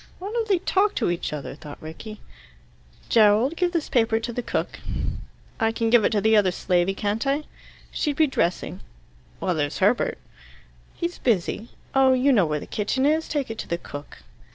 "Why don't they talk to each other?" thought Rickie. "Gerald, give this paper to the cook." "I can give it to the other slavey, can't I?" "She'd be dressing." "Well, there's Herbert." "He's busy. Oh, you know where the kitchen is. Take it to the cook."